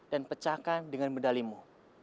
dan pecahkan dengan medalimu